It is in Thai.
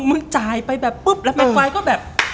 มึงจ่ายไปแบบปุ๊บแล้วแม่กวายก็แบบ